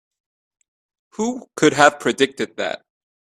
Who could have predicted that?